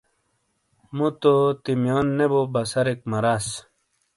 مو تو تیمیون نے بوے بسرک مراس۔